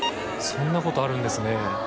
そんなことあるんですね